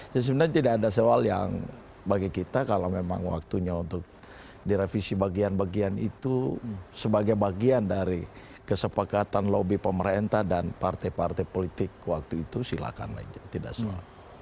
sebenarnya tidak ada soal yang bagi kita kalau memang waktunya untuk direvisi bagian bagian itu sebagai bagian dari kesepakatan lobby pemerintah dan partai partai politik waktu itu silakan saja tidak soal